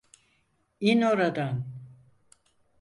İn oradan!